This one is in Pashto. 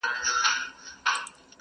• خو بدلون ورو روان دی تل..